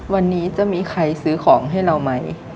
วันนี้จะมีใครซื้อของให้เราไหม